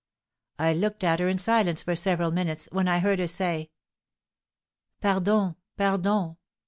I looked at her in silence for several minutes, when I heard her say, 'Pardon! Pardon!